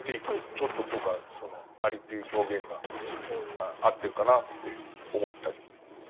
ちょっと僕はその「マリ」という表現が合ってるかなって思ったり。